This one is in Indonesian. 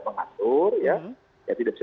mengatur ya tidak bisa